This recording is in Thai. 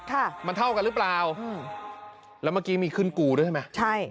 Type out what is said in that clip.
ค่ะมันเท่ากันหรือเปล่าอืมแล้วเมื่อกี้มีขึ้นกูด้วยใช่ไหมใช่